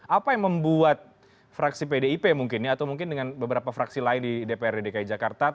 apa yang membuat fraksi pdip mungkin ya atau mungkin dengan beberapa fraksi lain di dprd dki jakarta